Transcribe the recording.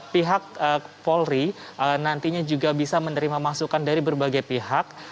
pihak polri nantinya juga bisa menerima masukan dari berbagai pihak